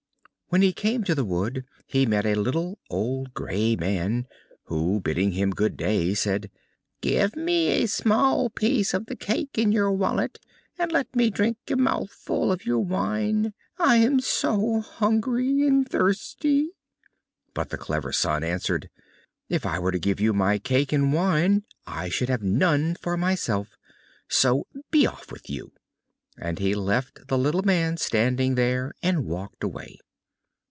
When he came to the wood he met a little old grey man, who, bidding him good day, said: "Give me a small piece of the cake in your wallet, and let me drink a mouthful of your wine; I am so hungry and thirsty." But the clever son answered: "If I were to give you my cake and wine, I should have none for myself, so be off with you," and he left the little man standing there, and walked away.